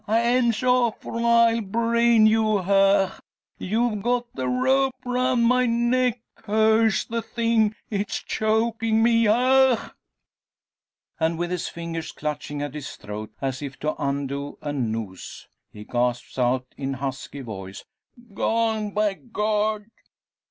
Hands off, or I'll brain you! Hach! You've got the rope round my neck! Curse the thing! It's choking me. Hach!" And with his fingers clutching at his throat, as if to undo a noose, he gasps out in husky voice: "Gone by God."